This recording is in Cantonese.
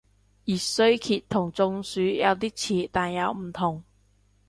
熱衰竭同中暑有啲似但又唔同